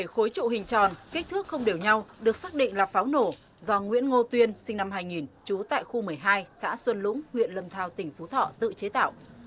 một mươi khối trụ hình tròn kích thước không đều nhau được xác định là pháo nổ do nguyễn ngô tuyên sinh năm hai nghìn trú tại khu một mươi hai xã xuân lũng huyện lâm thao tỉnh phú thọ tự chế tạo